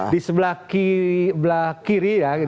di sebelah kiri ya